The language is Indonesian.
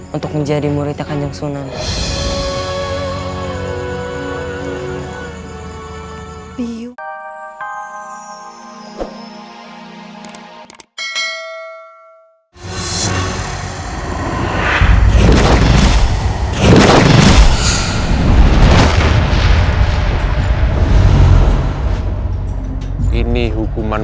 untuk menjadi murid takan yang sunan